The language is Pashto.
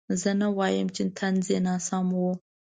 زه نه وایم چې طنز یې ناسم و.